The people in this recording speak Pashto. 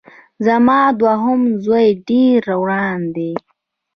زما دوهم زوی ډېر وران دی